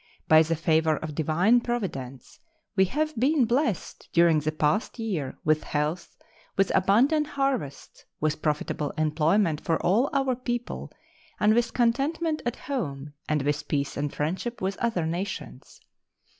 By the favor of Divine Providence we have been blessed during the past year with health, with abundant harvests, with profitable employment for all our people, and with contentment at home, and with peace and friendship with other nations.